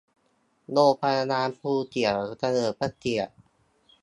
โรงพยาบาลภูเขียวเฉลิมพระเกียรติ